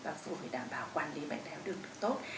và vừa phải đảm bảo quản lý bệnh đéo đường tốt